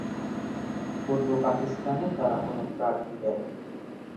পূর্ব পাকিস্তানে তারা কোন প্রার্থী দেয়নি।